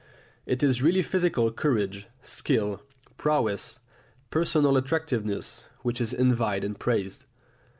It is really physical courage, skill, prowess, personal attractiveness which is envied and praised.